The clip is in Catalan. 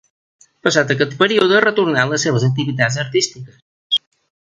Passat aquest període retornà a les seves activitats artístiques.